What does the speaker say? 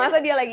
masa dia lagi